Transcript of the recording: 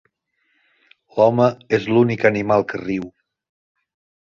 L'home és l'únic animal que riu.